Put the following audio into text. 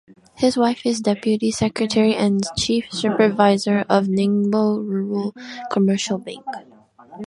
His wife is deputy secretary and chief supervisor of Ningbo Rural Commercial Bank.